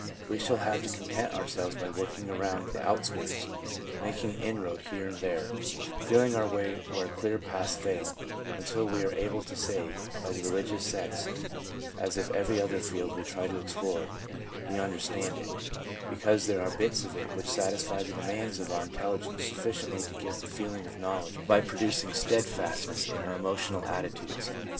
We shall have to content ourselves by working around the outskirts, making an inroad here and there, feeling our way INTRODUCTION n where clear paths fail, until we are able to say of the religious sense, as of every other field we try to explore, we understand it, because there are bits of it which satisfy the demands of our intelligence sufficiently to give the feel of knoiv ledge by producing steadfastness in our emotional attitudes.